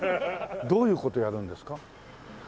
どういう事やるんですか？